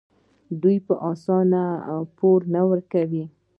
دوی په اسانۍ پور نه ورکوي.